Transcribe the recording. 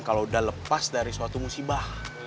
kalau udah lepas dari suatu musibah